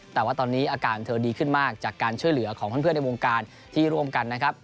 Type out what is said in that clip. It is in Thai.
แต่ว่าตอนนี้อาการเธอดีขึ้นมากจากการช่วยเหลือของเพื่อนในวงการที่ร่วมกันนะครับ